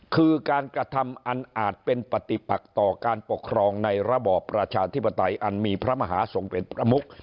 คือการกระทำอันอาจเป็นปฏิปักต่อการปกครองในระบอบประชาธิปไตยอันมีพระมหาทรงเป็นประมุก